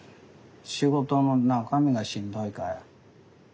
仕事の中身がしんどいかえ？